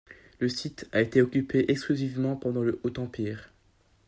Le site a été occupé exclusivement pendant le Haut-Empire.